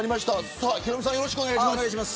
さあヒロミさんよろしくお願いします。